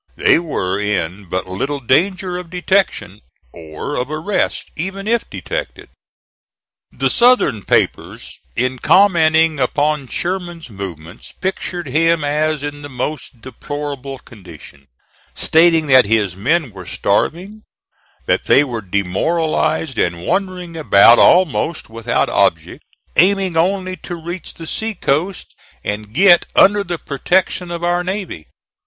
They were in but little danger of detection, or of arrest even if detected. The Southern papers in commenting upon Sherman's movements pictured him as in the most deplorable condition: stating that his men were starving, that they were demoralized and wandering about almost without object, aiming only to reach the sea coast and get under the protection of our navy.